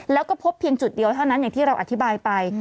แล้วก็พบเพียงจุดเดียวเท่านั้นอย่างที่เราอธิบายไป